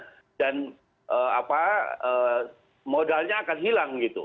nah dan modalnya akan hilang gitu